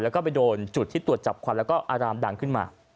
แล้วก็ไปโดนจุดที่ตรวจจับควันแล้วก็อารามดังขึ้นมา